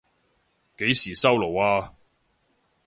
幾時收爐啊？